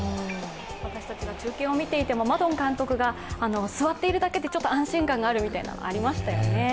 私たちが中継を見ていてもマドン監督が座っているだけでちょっと安心感があるみたいなのもありましたよね。